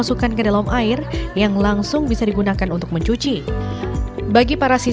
belum pernah pakai